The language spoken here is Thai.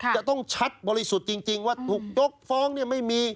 จะต้องชัดบริสุทธิ์จริงว่าถูกยกฟ้องไม่มี